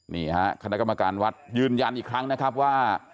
นี่ฮะคณะกรรมการวัดยืนยันอีกครั้งนะครับว่า